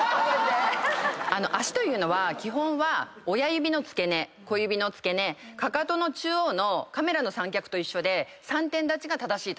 足というのは基本は親指の付け根小指の付け根かかとの中央のカメラの三脚と一緒で。